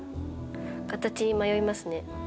形に迷いますね。